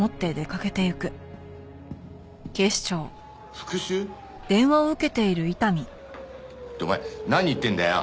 復讐？ってお前何言ってんだよ。